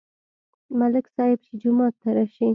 ملک صاحب چې جومات ته راشي،